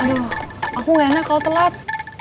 aduh aku gak enak kalau telat